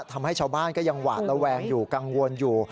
ทำให้ชาวบ้านก็ยังหวาดระแวงอยู่กังวลอยู่